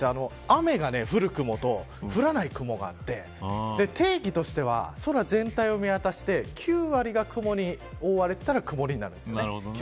雨が降る雲と降らない雲があって定義としては空全体を見渡して９割が雲に覆われていたら曇りになるんですね。